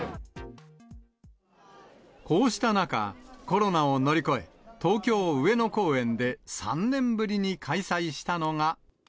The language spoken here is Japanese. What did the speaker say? こうした中、コロナを乗り越え、東京・上野公園で３年ぶりに開催したのが。